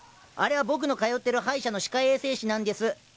あれは僕の通ってる歯医者の歯科衛生士なんです。